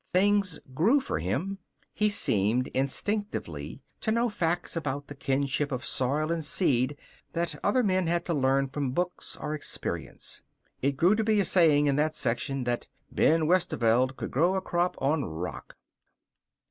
Things grew for him. He seemed instinctively to know facts about the kin ship of soil and seed that other men had to learn from books or experience. It grew to be a saying in that section that "Ben Westerveld could grow a crop on rock."